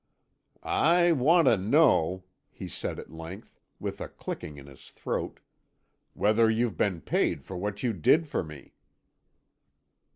"I want to know," he said at length, with a clicking in his throat, "whether you've been paid for what you did for me?"